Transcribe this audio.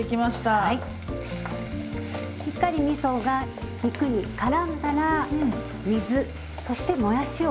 しっかりみそが肉にからんだら水そしてもやしを加えます。